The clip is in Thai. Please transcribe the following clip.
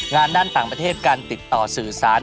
งานด้านต่างประเทศการติดต่อสื่อสาร